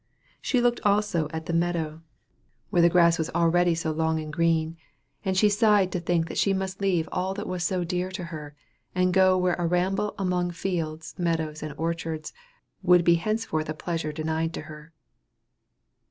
She looked also at the meadow, where the grass was already so long and green; and she sighed to think that she must leave all that was so dear to her, and go where a ramble among fields, meadows, and orchards, would be henceforth a pleasure denied to her.